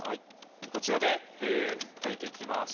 こちらで炊いていきます。